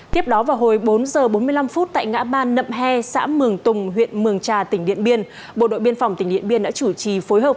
tiếp đó vào hồi bốn h bốn mươi năm phút tại ngã ban nậm he xã mường tùng huyện mường trà tỉnh điện biên bộ đội biên phòng tỉnh điện biên đã chủ trì phối hợp